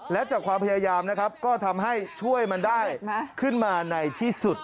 และจากความพยายามนะครับก็ทำให้ช่วยมันได้ขึ้นมาในที่สุด